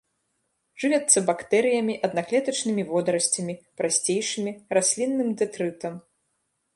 Жывяцца бактэрыямі, аднаклетачнымі водарасцямі, прасцейшымі, раслінным дэтрытам.